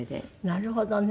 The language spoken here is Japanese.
なるほどね。